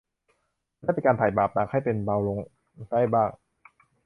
จะได้เป็นการไถ่บาปหนักให้เป็นเบาลงได้บ้าง